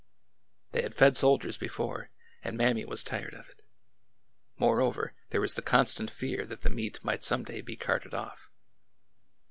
They had fed soldiers before, and Mammy was tired of it. Moreover, there was the constant fear that the meat might some day be carted off.